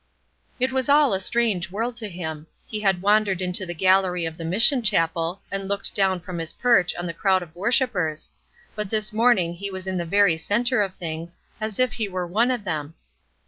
It was all a strange world to him. He had wandered into the gallery of the Mission Chapel, and looked down from his perch on the crowd of worshippers; but this morning he was in the very centre of things, as if he were one of them.